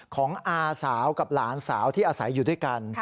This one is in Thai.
อาสาวกับหลานสาวที่อาศัยอยู่ด้วยกัน